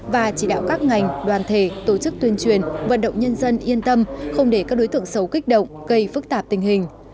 và chỉ đạo các ngành đoàn thể tổ chức tuyên truyền vận động nhân dân yên tâm không để các đối tượng xấu kích động gây phức tạp tình hình